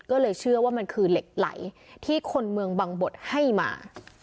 ก็เลยเชื่อว่ามันคือเหล็กไหลที่คนเมืองบังบดให้มา